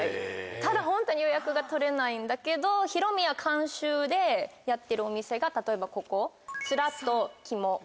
ただホントに予約が取れないんだけどヒロミヤ監修でやってるお店が例えばここツラとキモ。